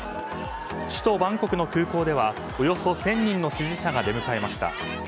首都バンコクの空港ではおよそ１０００人の支持者が出迎えました。